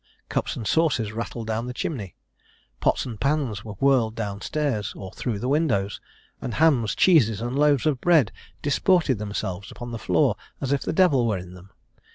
Cups and saucers rattled down the chimney pots and pans were whirled down stairs, or through the windows; and hams, cheeses, and loaves of bread disported themselves upon the floor as if the devil were in them.